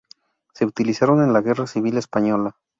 Se utilizaron en la Guerra Civil española.